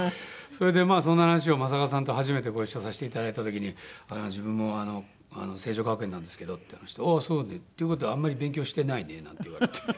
それでまあそんな話を正和さんと初めてご一緒させていただいた時に「自分も成城学園なんですけど」って話したら「ああそうなの。っていう事はあんまり勉強してないね」なんて言われて。